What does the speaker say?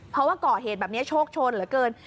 เพราะว่าก่อเหตุแบบนี้โชคโชนเหลือเกิน